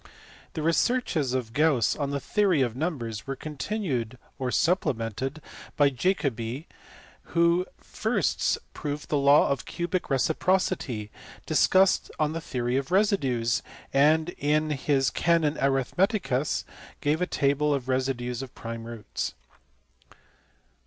The researches of Gauss on the theory of numbers were continued or supplemented by Jacobi (see below, p. 465) who first proved the law of cubic reciprocity ; discussed the theory of residues ; and, in his Canon Aritlimeticus, gave a table of residues of prime roots.